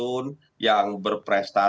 sosok anak milenial yang cerdas yang sikap